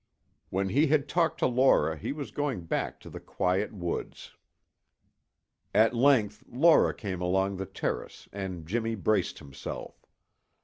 When he had talked to Laura he was going back to the quiet woods. At length Laura came along the terrace and Jimmy braced himself.